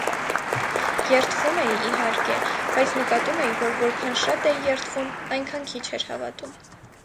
Երդվում էի, իհարկե, բայց նկատում էի, որ որքան շատ էի երդվում, այնքան քիչ էր հավատում: